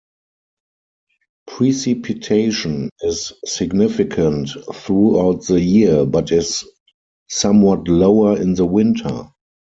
Precipitation is significant throughout the year, but is somewhat lower in the winter.